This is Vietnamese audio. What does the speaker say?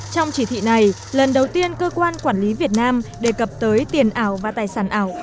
trong chỉ thị này lần đầu tiên cơ quan quản lý việt nam đề cập tới tiền ảo và tài sản ảo